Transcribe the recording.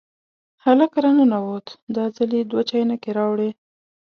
هلک را ننوت، دا ځل یې دوه چاینکې راوړې.